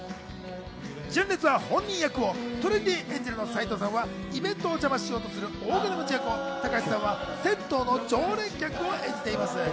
純烈は本人役を、トレンディエンジェルの斎藤さんはイベントを邪魔しようとする大金持ち役を、たかしさんは銭湯の常連役を演じています。